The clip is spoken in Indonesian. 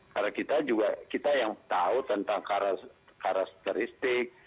karena kita juga kita yang tahu tentang karakteristik